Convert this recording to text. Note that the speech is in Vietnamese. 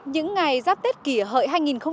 những ngày giáp tết kỷ hợi hai nghìn một mươi chín